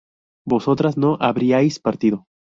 vosotras no habríais partido